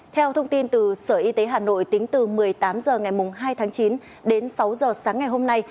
theo thông tin từ sở y tế hà nội tính từ một mươi tám h ngày hai tháng chín đến sáu h sáng ngày hôm nay